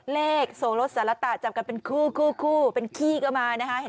โสรสสารตะจับกันเป็นคู่คู่เป็นขี้ก็มานะคะ